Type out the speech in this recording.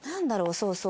そうそう。